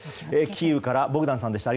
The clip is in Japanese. キーウからボグダンさんでした。